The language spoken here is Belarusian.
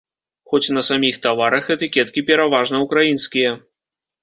Хоць на саміх таварах этыкеткі пераважна ўкраінскія.